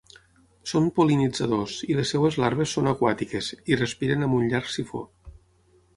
Són pol·linitzadors, i les seves larves són aquàtiques, i respiren amb un llarg sifó.